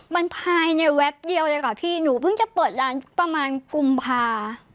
มันภายในแวบเดียวเลยค่ะพี่หนูเพิ่งจะเปิดร้านประมาณกุมภา